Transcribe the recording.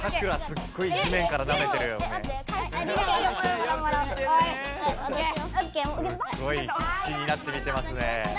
すっごいひっしになって見てますね。